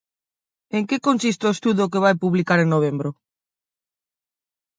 En que consiste o estudo que vai publicar en novembro?